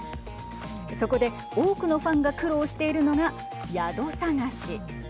そこで、多くのファンが苦労しているのが宿探し。